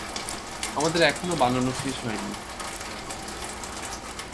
আমাদের এখনো বানানো শেষ হয়নি।